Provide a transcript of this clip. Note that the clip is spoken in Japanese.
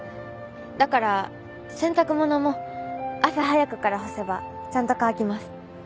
だから洗濯物も朝早くから干せばちゃんと乾きます。